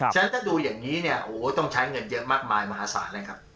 ฉะนั้นถ้าดูอย่างนี้เนี่ยโอ้โหต้องใช้เงินเยอะมากมายมหาศาลเลยครับ